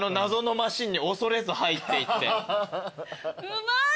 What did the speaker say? うまい！